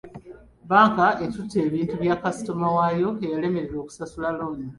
Bbanka etutte ebintu bya kasitoma waayo eyalemererwa okusasula looni.